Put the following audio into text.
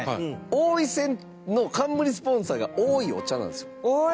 王位戦の冠スポンサーがおいお茶なんですよ。